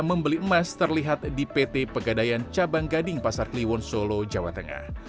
membeli emas terlihat di pt pegadaian cabang gading pasar kliwon solo jawa tengah